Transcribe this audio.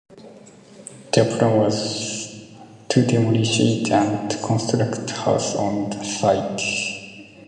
Their plan was to demolish it and construct houses on the site.